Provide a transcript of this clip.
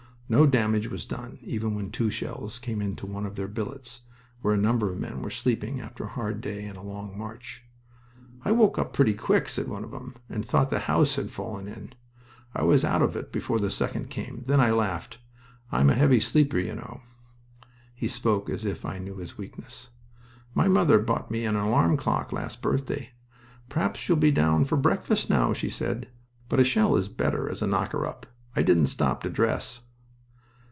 No damage was done even when two shells came into one of their billets, where a number of men were sleeping after a hard day and a long march. "I woke up pretty quick," said one of them, "and thought the house had fallen in. I was out of it before the second came. Then I laughed. I'm a heavy sleeper, you know. [He spoke as if I knew his weakness.] My mother bought me an alarm clock last birthday. 'Perhaps you'll be down for breakfast now,' she said. But a shell is better as a knocker up. I didn't stop to dress."